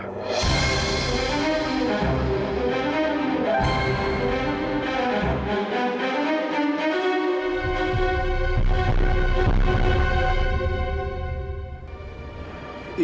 jangan lupa mencari